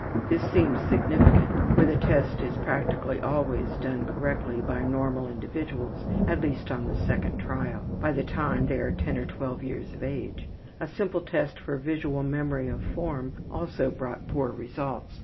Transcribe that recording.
This seemed significant, for the test is practically always done correctly by normal individuals, at least on the second trial, by the time they are 10 or 12 years of age. A simple test for visual memory of form also brought poor results.